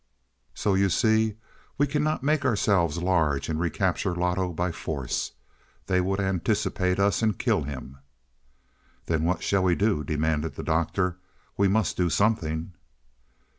"So you see we cannot make ourselves large and recapture Loto by force. They would anticipate us and kill him." "Then what shall we do?" demanded the Doctor. "We must do something."